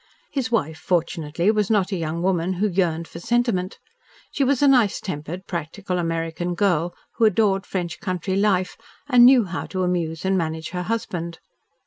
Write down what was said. His wife, fortunately, was not a young woman who yearned for sentiment. She was a nice tempered, practical American girl, who adored French country life and knew how to amuse and manage her husband.